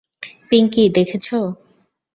পিঙ্কি, দেখেছ।